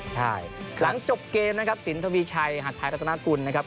ใช่หลังจบเกมนะครับสินทวีชัยหัดไทยรัฐนากุลนะครับ